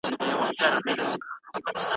په کورنۍ زده کړه کي وخت ته نه کتل کېږي.